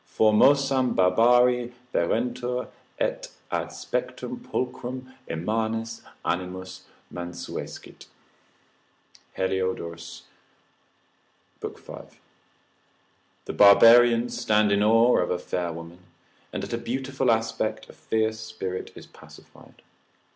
Formosam Barbari verentur, et ad spectum pulchrum immanis animus mansuescit. (Heliodor. lib. 5.) The barbarians stand in awe of a fair woman, and at a beautiful aspect a fierce spirit is pacified.